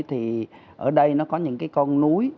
thì ở đây nó có những cái con núi